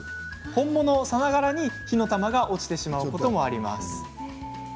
本物さながらに火の玉が落ちてしまうことも。